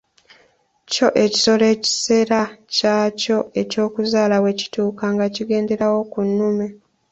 Kyo ekisolo ekiseera kyakyo eky'okuzaala bwe kituuka nga kigenderawo ku nnume.